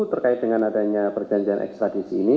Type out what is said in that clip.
terkait dengan adanya perjanjian ekstradisi ini